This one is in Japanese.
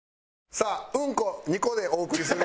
さあうんこ２個でお送りする。